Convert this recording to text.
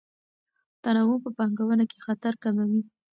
تنوع په پانګونه کې خطر کموي.